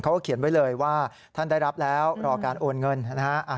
เขียนไว้เลยว่าท่านได้รับแล้วรอการโอนเงินนะฮะ